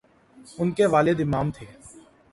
ان کے والد امام تھے۔